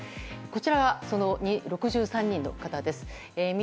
こちらはその６３人の方です。